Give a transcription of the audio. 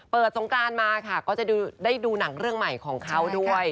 เปิดสงกรานมาได้ดูหนังเรื่องใหม่ของเขาด้วย